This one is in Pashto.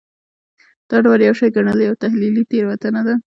دا دواړه یو شی ګڼل یوه تحلیلي تېروتنه وه.